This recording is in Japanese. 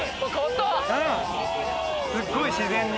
すっごい自然に。